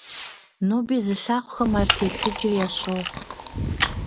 Ноби зылъагъухэм ар телъыджэ ящохъу.